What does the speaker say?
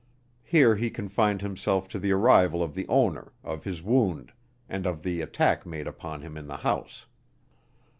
Here he confined himself to the arrival of the owner, of his wound, and of the attack made upon him in the house.